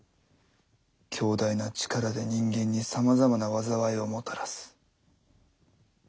強大な力で人間にさまざまな災いをもたらす」。